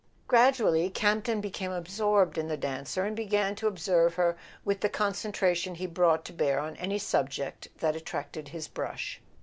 Gradually Campton became absorbed in the dancer and began to observe her with the concentration he brought to bear on any subject that attracted his brush.